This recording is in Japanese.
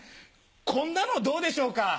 こんなのどうでしょうか？